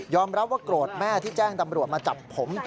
รับว่าโกรธแม่ที่แจ้งตำรวจมาจับผม